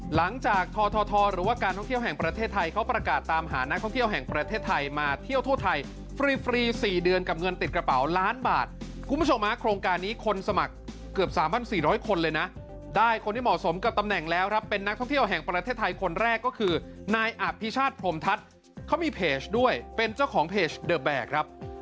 หลังจากทอทอทอหรือว่าการท่องเที่ยวแห่งประเทศไทยเขาประกาศตามหานักท่องเที่ยวแห่งประเทศไทยมาเที่ยวทั่วไทยฟรี๔เดือนกับเงินติดกระเป๋าล้านบาทคุณผู้ชมมาโครงการนี้คนสมัครเกือบ๓๔๐๐คนเลยนะได้คนที่เหมาะสมกับตำแหน่งแล้วครับเป็นนักท่องเที่ยวแห่งประเทศไทยคนแรกก็คือนายอัพิชาติพร